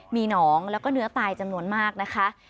มีหนองแล้วก็เนื้อตายจำนวนมากนะคะ